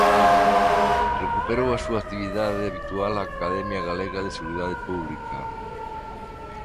Recuperou a súa actividade habitual a Academia Galega de Seguridade Pública.